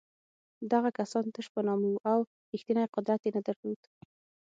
دغه کسان تش په نامه وو او رښتینی قدرت یې نه درلود.